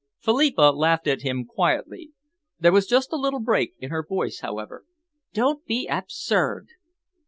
Philippa laughed at him quietly. There was just a little break in her voice, however. "Don't be absurd!"